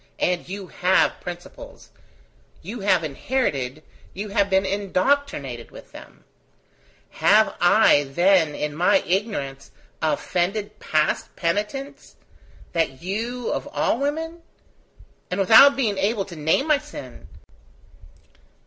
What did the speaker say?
and you have principles: you have inherited, you have been indoctrinated with them: have I, then, in my ignorance, offended past penitence, that you, of all women? ... And without being able to name my sin!